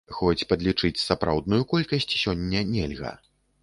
Хоць падлічыць сапраўдную колькасць сёння нельга.